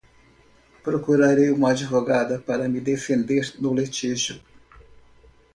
Procurarei uma advogada para me defender no litígio